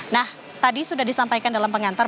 nah tadi sudah disampaikan dalam pengantar